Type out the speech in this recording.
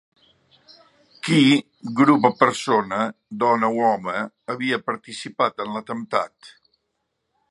Qui, grup o persona, dona o home, havia participat en l’atemptat.